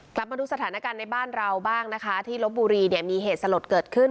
กลับมาดูสถานการณ์ในบ้านเราบ้างนะคะที่ลบบุรีเนี่ยมีเหตุสลดเกิดขึ้น